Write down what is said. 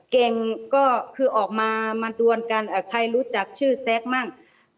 เก่งก็คือออกมามาดวนกันใครรู้จักชื่อแซคมั่ง